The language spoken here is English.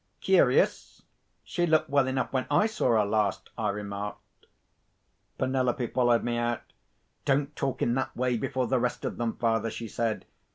"Curious! She looked well enough when I saw her last," I remarked. Penelope followed me out. "Don't talk in that way before the rest of them, father," she said.